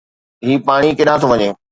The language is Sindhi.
هي پاڻي ڪيڏانهن ٿو وڃي؟